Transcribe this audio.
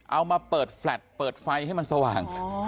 เอามาเปิดแฟลตเปิดไฟให้มันสว่าง